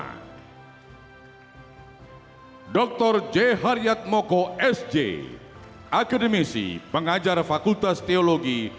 hai dr j haryat moko sj akademisi pengajar fakultas teologi